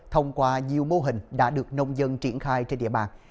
thông qua nhiều mô hình đã được nông dân triển khai trên địa bàn